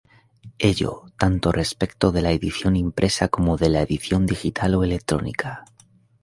Ello, tanto respecto de la edición impresa como de la edición digital o electrónica.